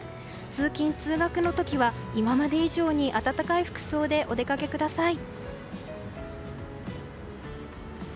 通勤・通学の時は今まで以上に暖かい服装でお出かけください。